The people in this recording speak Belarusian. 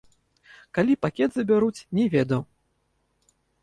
Калі пакет забяруць, не ведаў.